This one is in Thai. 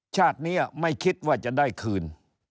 ชาตินี้ไม่คิดว่าจะได้คืน